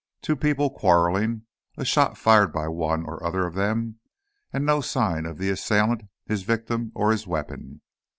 Two people quarreling, a shot fired by one or other of them, and no sign of the assailant, his victim, or his weapon!